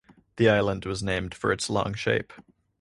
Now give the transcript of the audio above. The island was named for its long shape.